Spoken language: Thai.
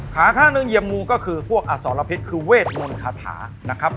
ขาข้างหนึ่งเหยียมงูก็คือพวกอสรพิษคือเวทมนต์คาถานะครับ